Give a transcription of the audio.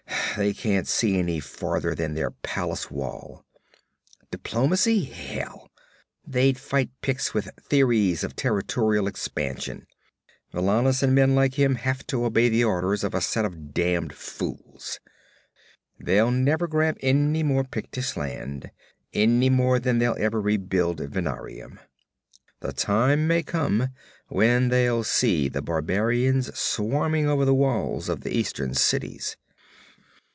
They can't see any farther than their palace wall. Diplomacy hell! They'd fight Picts with theories of territorial expansion. Valannus and men like him have to obey the orders of a set of damned fools. They'll never grab any more Pictish land, any more than they'll ever rebuild Venarium. The time may come when they'll see the barbarians swarming over the walls of the Eastern cities!'